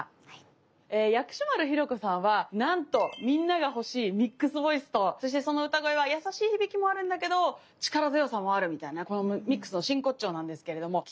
薬師丸ひろ子さんはなんとみんなが欲しいミックスボイスとそしてその歌声は優しい響きもあるんだけど力強さもあるみたいなこのミックスの真骨頂なんですけれども聴き手をグッと引きつける。